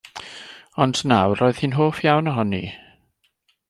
Ond nawr roedd hi'n hoff iawn ohoni.